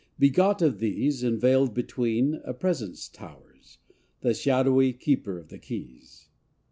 Begot of these, And veiled between, a presence towers, The shadowy Keeper of the Keys.